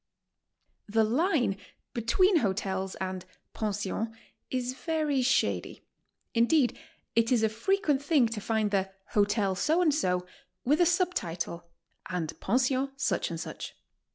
The line between hotels and pensions is very shady. In deed, it is a frequent thing to find the "Hotel So and So'' with a sub title, "and Pension Such and Such."